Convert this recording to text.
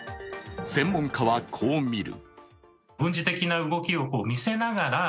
専門家は、こうみる。